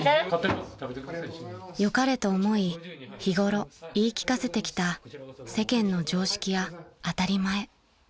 ［良かれと思い日頃言い聞かせてきた世間の常識や当たり前］